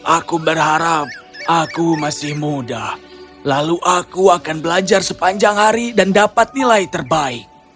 aku berharap aku masih muda lalu aku akan belajar sepanjang hari dan dapat nilai terbaik